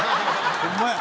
ホンマや。